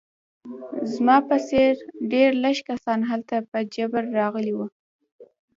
زما په څېر ډېر لږ کسان هلته په جبر راغلي وو